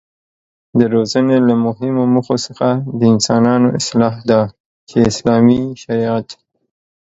د روزنې له مهمو موخو څخه د انسانانو اصلاح ده چې اسلامي شريعت